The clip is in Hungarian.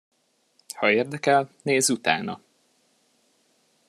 Ha érdekel, nézz utána!